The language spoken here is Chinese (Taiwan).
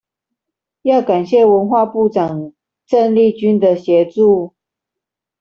要感謝文化部長鄭麗君的協助